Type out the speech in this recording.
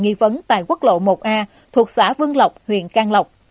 nghi vấn tại quốc lộ một a thuộc xã vương lọc huyện cang lọc